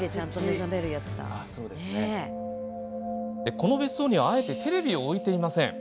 この別荘にはあえてテレビを置いていません。